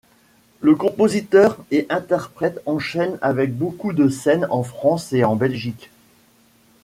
Le compositeur et interprète enchaîne avec beaucoup de scènes en France et en Belgique.